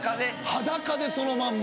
裸でそのまんま。